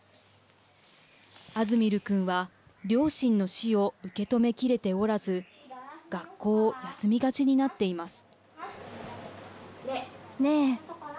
アズミル君は両親の死を受け止めきれておらず学校を休みがちになっています。